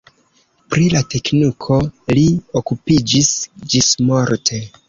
Pri la tekniko li okupiĝis ĝismorte.